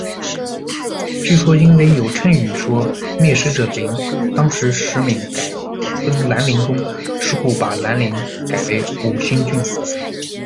据说因为有谶语说“灭石者陵”，当时石闵改封兰陵公，石虎把兰陵改为武兴郡。